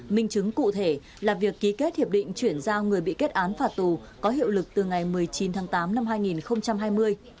minh chứng cụ thể là việc ký kết hiệp định chuyển giao người bị kết án phạt tù có hiệu lực từ ngày một mươi chín tháng tám năm hai nghìn hai mươi